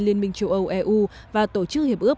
liên minh châu âu và tổ chức hiệp ước